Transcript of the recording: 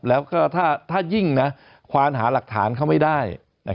แล้วก็ถ้ายิ่งควานหาหลักฐานเขาไม่ได้